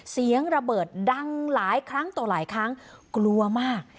เสียงระเบิดดังหลายครั้งต่อหลายครั้งกลัวมาก